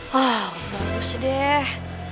wah bagus deh